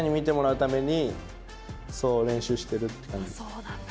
そうなんだ。